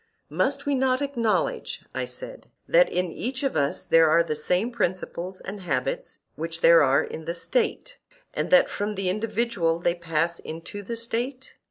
Must we not acknowledge, I said, that in each of us there are the same principles and habits which there are in the State; and that from the individual they pass into the State?